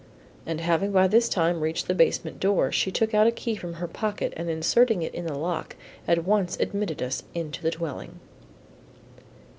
And having by this time reached the basement door, she took out a key from her pocket and inserting it in the lock, at once admitted us into the dwelling.